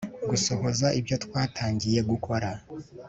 gusohoza ibyo watangiye gukora